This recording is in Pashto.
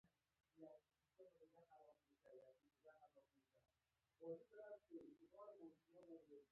دریم له انرژي څخه ګټوره استفاده کول دي.